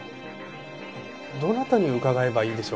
どなたに伺えばいいんでしょうか？